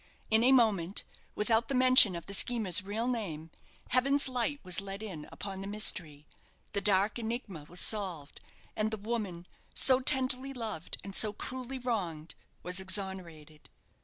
In a moment, without the mention of the schemer's real name, Heaven's light was let in upon the mystery; the dark enigma was solved, and the woman, so tenderly loved and so cruelly wronged, was exonerated.